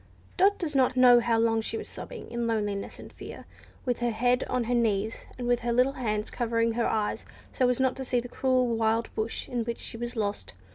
Dot does not know how long she was sobbing in loneliness and fear, with her head on her knees, and with her little hands covering her eyes so as not to see the cruel wild bush in which she was lost.